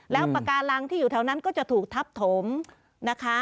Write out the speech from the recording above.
แล้วปากการังที่อยู่แถวนั้นก็จะถูกทับถมนะคะ